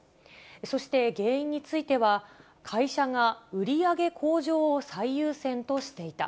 そして原因については、会社が売り上げ向上を最優先としていた。